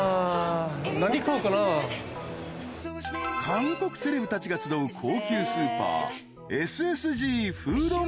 ［韓国セレブたちが集う高級スーパー］